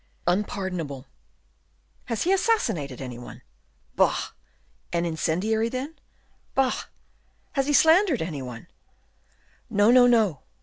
"Unpardonable." "Has he assassinated any one?" "Bah!" "An incendiary, then?" "Bah!" "Has he slandered any one?" "No, no!